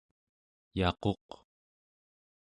yaquq